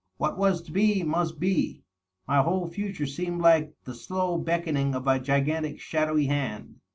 What was to be, must be. My whole future seemed like the slow beckoning of a gigantic shadowy hand.